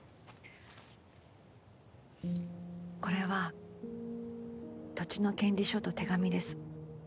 これは土地の権利書と手紙です。